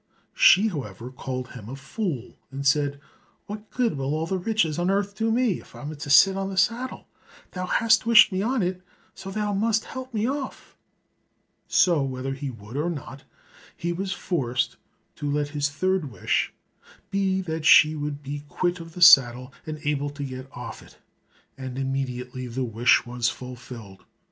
She, however, called him a fool, and said, "What good will all the riches on earth do me, if I am to sit on this saddle? Thou hast wished me on it, so thou must help me off." So whether he would or not, he was forced to let his third wish be that she should be quit of the saddle, and able to get off it, and immediately the wish was fulfilled.